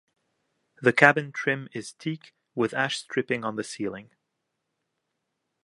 The cabin trim is teak with ash striping on the ceiling.